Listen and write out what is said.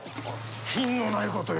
品のないことよ。